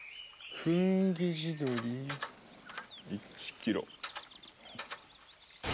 フンギ地鶏１キロ。